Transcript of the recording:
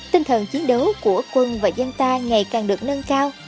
tinh thần chiến đấu của quân và dân ta ngày càng được nâng cao